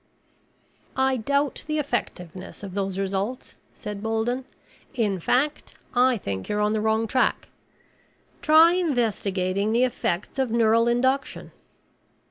"I doubt the effectiveness of those results," said Bolden. "In fact, I think you're on the wrong track. Try investigating the effects of neural induction."